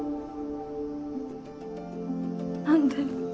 何で？